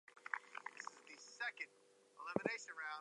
I figured that would be a problem.